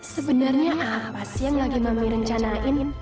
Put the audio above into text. sebenarnya apa sih yang lagi mami rencanain